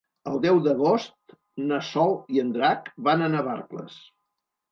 El deu d'agost na Sol i en Drac van a Navarcles.